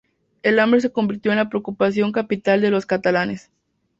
El hambre se convirtió en la preocupación capital de los catalanes.